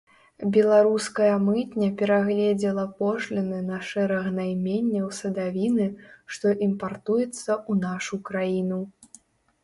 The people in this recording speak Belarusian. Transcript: Беларуская мытня перагледзела пошліны на шэраг найменняў садавіны, што імпартуецца ў нашу краіну.